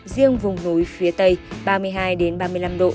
riêng vùng núi phía tây ba mươi hai ba mươi năm độ